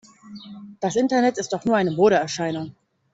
Dieses Internet ist doch nur eine Modeerscheinung!